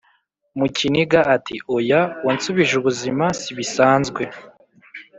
mukiniga ati"oya wansubije ubuzima sibisanzwe"